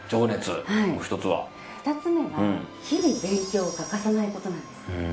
２つ目は日々勉強を欠かさないことです。